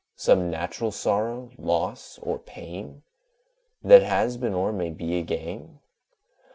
Some natural sorrow, loss, or pain, That has been, and may be again?